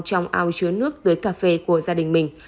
trong ao chứa nước tưới cà phê của gia đình mình